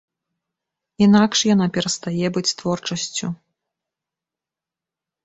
Інакш яна перастае быць творчасцю.